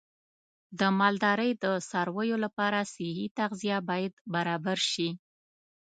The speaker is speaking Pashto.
د مالدارۍ د څارویو لپاره صحي تغذیه باید برابر شي.